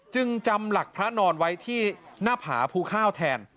จึงจำหลักพระนอนไว้ที่หน้าผาภูข้าวแทน